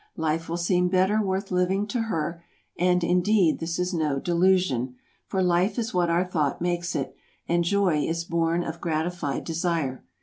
Life will seem better worth living to her; and, indeed, this is no delusion, for life is what our thought makes it, and joy is born of gratified desire.